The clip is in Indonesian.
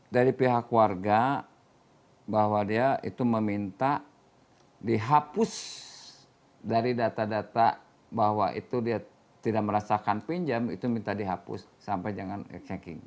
dari pihak warga bahwa dia itu meminta dihapus dari data data bahwa itu dia tidak merasakan pinjam itu minta dihapus sampai jangan checking